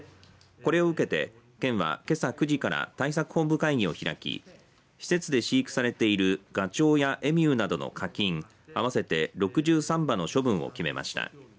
これを受けて県はけさ９時から対策本部会議を開き施設で飼育されているがちょうやエミューなどの家きん合わせて６３羽の処分を決めました。